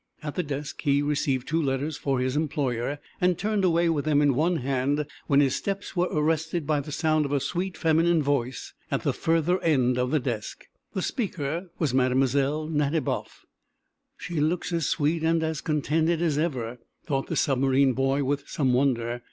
At the desk he received two letters for his employer, and turned away with them in one hand when his steps were arrested by the sound of a sweet feminine voice at the further end of the desk. The speaker was Mlle. Nadiboff. "She looks as sweet and as contented as ever," thought the submarine boy, with some wonder.